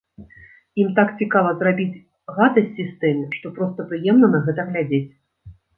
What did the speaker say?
Ім так цікава зрабіць гадасць сістэме, што проста прыемна на гэта глядзець.